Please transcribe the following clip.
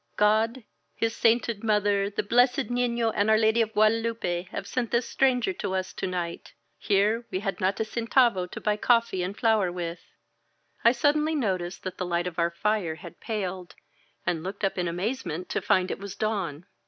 "God, his sainted Mother, the Blessed Nifio and Our Lady of Guadelupe have sent this stranger to us to night! Here we had not a centavo to buy coffee and flour with. ..." I suddenly noticed that the light of our fire had 198 AT THE GATES OF GOMEZ ^aled, and looked up in amazement to find it was dawn.